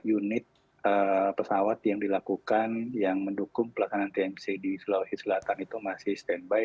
unit pesawat yang dilakukan yang mendukung pelaksanaan tmc di sulawesi selatan itu masih standby